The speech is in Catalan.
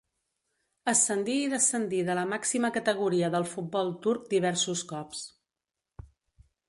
Ascendí i descendí de la màxima categoria del futbol turc diversos cops.